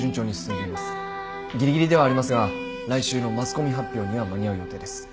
ぎりぎりではありますが来週のマスコミ発表には間に合う予定です。